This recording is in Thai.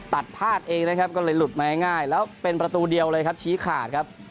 พาดเองนะครับก็เลยหลุดมาง่ายแล้วเป็นประตูเดียวเลยครับชี้ขาดครับ